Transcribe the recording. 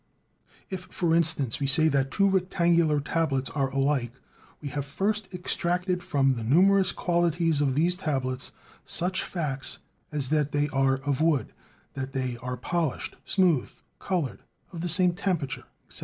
If, for instance, we say that two rectangular tablets are alike, we have first extracted from the numerous qualities of these tablets such facts as that they are of wood, that they are polished, smooth, colored, of the same temperature, etc.